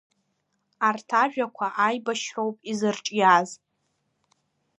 Арҭ ажәақәа аибашьроуп изырҿиаз.